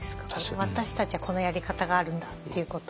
私たちはこのやり方があるんだっていうことを。